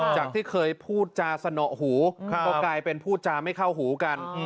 จากที่เคยพูดจาสนอหูก็กลายเป็นพูดจาไม่เข้าหูกัน